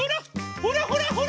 ほらほらほら！